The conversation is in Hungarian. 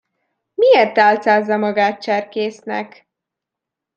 Miért álcázza magát cserkésznek?